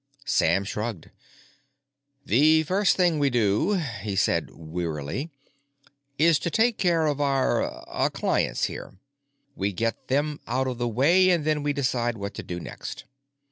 Sam shrugged. "The first thing we do," he said wearily, "is to take care of our, uh, clients here. We get them out of the way, and then we decide what to do next."